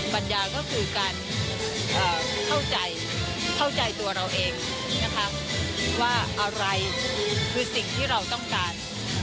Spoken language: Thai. ปัญญาก็คือการเข้าใจเข้าใจตัวเราเองนะคะว่าอะไรคือสิ่งที่เราต้องการ